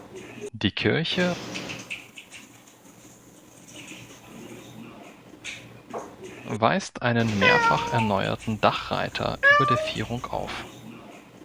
Die Kirche weist einen mehrfach erneuerten Dachreiter über der Vierung auf.